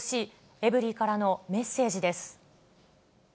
エブリィからのメッセージです。